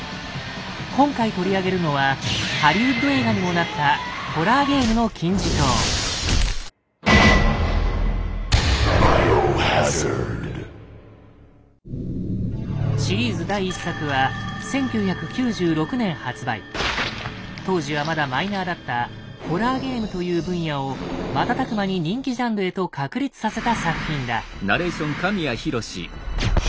今回取り上げるのはハリウッド映画にもなったシリーズ第１作は当時はまだマイナーだった「ホラーゲーム」という分野を瞬く間に人気ジャンルへと確立させた作品だ。